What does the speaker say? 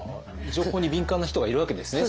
情報に敏感な人がいるわけですね。